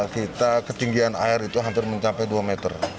kita ketinggian air itu hampir mencapai dua meter